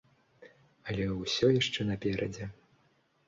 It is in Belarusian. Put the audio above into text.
Але ўсё яшчэ наперадзе.